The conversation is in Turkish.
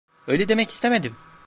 Öyle demek istemedim.